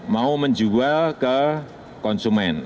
mau menjual ke konsumen